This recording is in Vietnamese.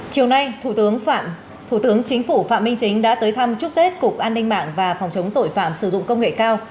chiều nay thủ tướng chính phủ phạm minh chính đã tới thăm chúc tết cục an ninh mạng và phòng chống tội phạm sử dụng công nghệ cao